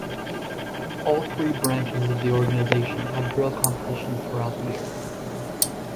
All three branches of the organization have drill competitions throughout the year.